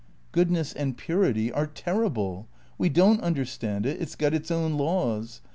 "Goodness and purity are terrible. We don't understand it. It's got its own laws.